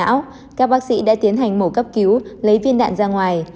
sau các bác sĩ đã tiến hành mổ cấp cứu lấy viên đạn ra ngoài